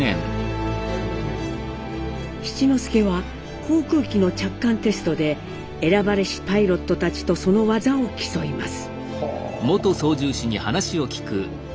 七之助は航空機の着艦テストで選ばれしパイロットたちとその技を競います。